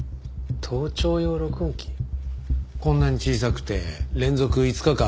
こんなに小さくて連続５日間